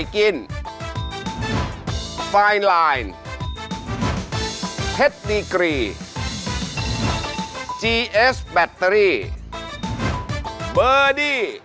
กรรมทวนโมนอัตโธภาพบท